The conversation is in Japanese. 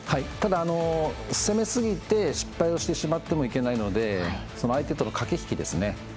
ただ、攻めすぎて失敗をしてしまってもいけないのでその相手との駆け引きですね。